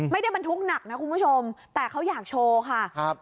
ไม่ได้บรรทุกหนักนะคุณผู้ชมแต่เขาอยากโชว์ค่ะครับ